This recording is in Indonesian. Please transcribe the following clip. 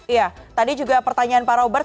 iya tadi juga pertanyaan pak robert